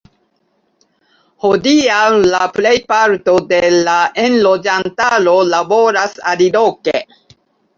Hodiaŭ la plejparto de la enloĝantaro laboras aliloke.